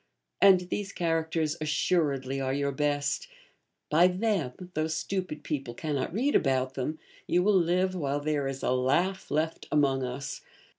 And these characters, assuredly, are your best; by them, though stupid people cannot read about them, you will live while there is a laugh left among us.